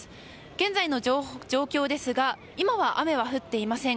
現在の状況ですが今は雨は降っていません。